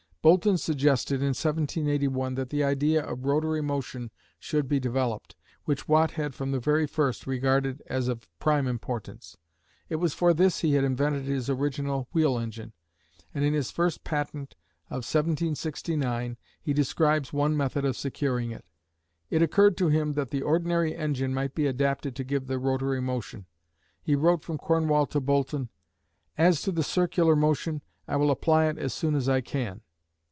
Boulton suggested in 1781 that the idea of rotary motion should be developed, which Watt had from the first regarded as of prime importance. It was for this he had invented his original wheel engine, and in his first patent of 1769 he describes one method of securing it. It occurred to him that the ordinary engine might be adapted to give the rotary motion. He wrote from Cornwall to Boulton: "As to the circular motion, I will apply it as soon as I can."